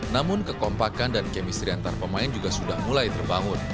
namun kekompakan dan kemistri antar pemain juga sudah mulai terbangun